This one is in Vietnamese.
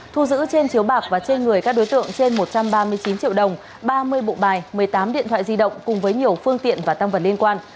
thu giữ trên chiếu bạc và trên người các đối tượng trên một trăm ba mươi chín triệu đồng ba mươi bộ bài một mươi tám điện thoại di động cùng với nhiều phương tiện và tăng vật liên quan